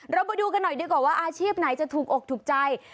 เรามาดูกันหน่อยดีกว่าว่าอาชีพไหนจะถูกอกถูกใจ